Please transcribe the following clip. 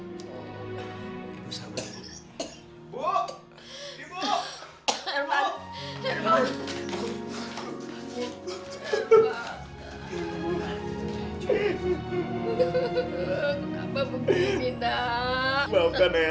jadi begitu ceritanya